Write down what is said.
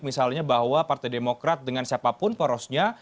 misalnya bahwa partai demokrat dengan siapapun porosnya